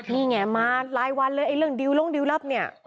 นี่ไงมารายวันเลยไอ้เรื่องดิวลงดิวรับเนี่ย